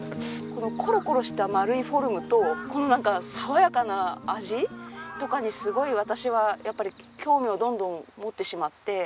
このコロコロした丸いフォルムとこのなんか爽やかな味とかにすごい私はやっぱり興味をどんどん持ってしまって。